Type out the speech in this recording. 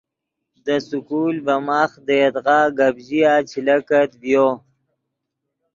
دے سکول ڤے ماخ دے یدغا گپ ژیا چے لکت ڤیو